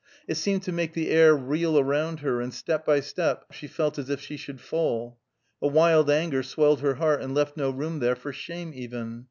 It seemed to make the air reel around her, and step by step she felt as if she should fall. A wild anger swelled her heart, and left no room there for shame even.